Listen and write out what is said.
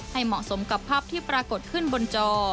เหมาะสมกับภาพที่ปรากฏขึ้นบนจอ